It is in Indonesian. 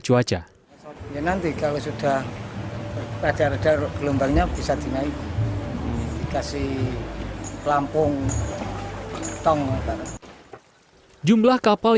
cuaca nanti kalau sudah pada reda gelombangnya bisa dinaik dikasih pelampung tong jumlah kapal